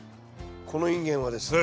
このインゲンはですね